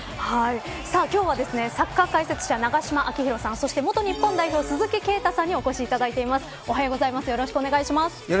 今日はサッカー界で永島昭浩さんそして元日本代表鈴木啓太さんにお越しいただいています。